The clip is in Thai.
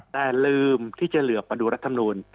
แต่ลืมที่จะเหลือมาดูรัฐมนูล